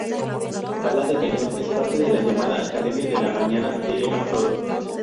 Bala de Cañón es parte de la llamada Academia del Mañana de Emma Frost.